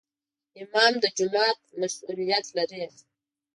امام د جومات مسؤولیت لري